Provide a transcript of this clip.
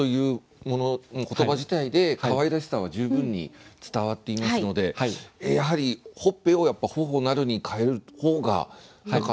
言葉自体でかわいらしさは十分に伝わっていますのでやはり「頬つぺ」を「頬なる」に変える方が何かよりいい感じがします。